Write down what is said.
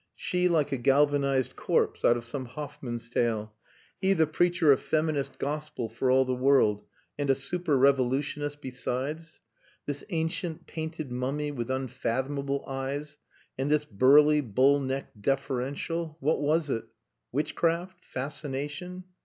She like a galvanized corpse out of some Hoffman's Tale he the preacher of feminist gospel for all the world, and a super revolutionist besides! This ancient, painted mummy with unfathomable eyes, and this burly, bull necked, deferential...what was it? Witchcraft, fascination....